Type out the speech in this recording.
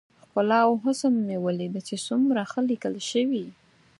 ښکلا او حسن مې وليد چې څومره ښه ليکل شوي.